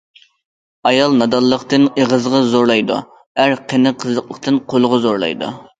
ئايال نادانلىقتىن ئېغىزغا زورلايدۇ، ئەر قېنى قىزىقلىقتىن قولىغا زورلايدۇ.